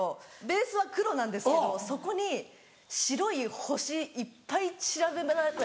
ベースは黒なんですけどそこに白い星いっぱい。